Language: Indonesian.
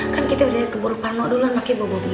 kan kita udah ke boropanok dulu makanya ibu bawa begini